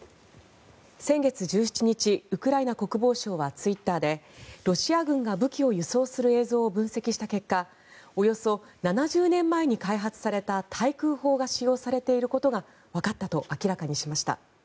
先月１７日ウクライナ国防省はツイッターでロシア軍が武器を輸送する映像を分析した結果およそ７０年前に開発された対空砲が使用されていることがわかったと明らかにしました。